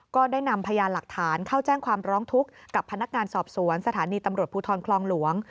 ก็ได้นำพยานหลักฐานเข้าแจ้งความร้องทุกข์กับพนักงานสอบสวนสถานีตำรวจภูทรคลองหลวง